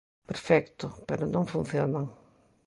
Perfecto, ¡pero non funcionan!